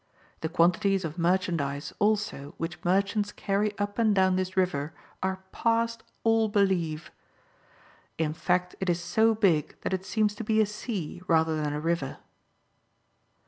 The quantities of merchandize also which merchants carry up and down this river are past all belief. In fact, it is so big, that it seems to be a Sea rather than a River